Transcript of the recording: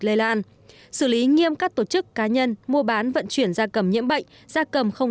lây lan xử lý nghiêm các tổ chức cá nhân mua bán vận chuyển da cầm nhiễm bệnh da cầm không